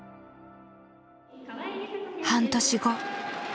半年後。